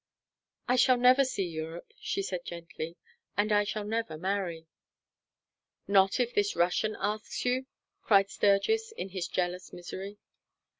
"I shall never see Europe," she said gently, "and I shall never marry." "Not if this Russian asks you?" cried Sturgis, in his jealous misery.